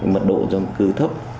mật độ dân cư thấp